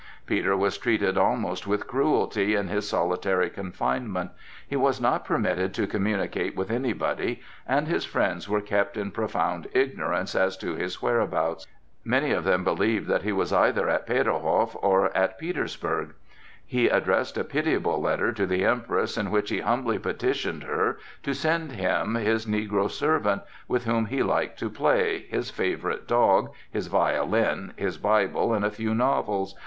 Peter was treated almost with cruelty in his solitary confinement. He was not permitted to communicate with anybody, and his friends were kept in profound ignorance as to his whereabouts. Many of them believed that he was either at Peterhof or at Petersburg. He addressed a pitiable letter to the Empress in which he humbly petitioned her to send him his negro servant, with whom he liked to play, his favorite dog, his violin, his Bible and a few novels.